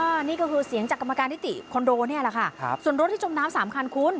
อันนี้ก็คือเสียงจากกรรมการนิติคอนโดเนี่ยแหละค่ะครับส่วนรถที่จมน้ำสามคันคุณ